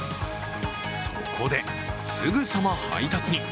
そこで、すぐさま配達に。